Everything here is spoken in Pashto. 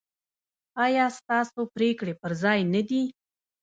ایا ستاسو پریکړې پر ځای نه دي؟